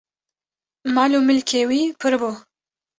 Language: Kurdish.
mal û milkê wî pir bû